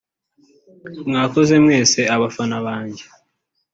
“Mwakoze mwese abafana banjye